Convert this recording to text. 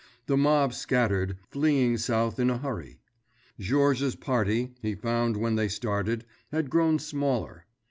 The mob scattered, fleeing south in a hurry. Georges's party, he found when they started, had grown smaller.